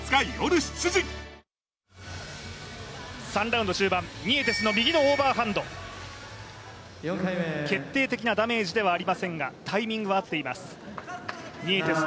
３ラウンド終盤ニエテスの右のオーバーハンド、決定的なダメージではありませんがタイミングは合っています。